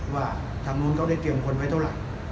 ว่าทางนู้นเขาได้เตรียมคนไว้เท่าไหร่